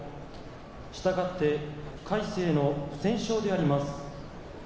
したがって魁聖の不戦勝であります。